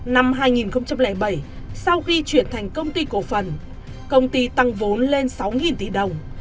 năm hai nghìn bảy sau khi chuyển thành công ty cổ phần công ty tăng vốn lên sáu tỷ đồng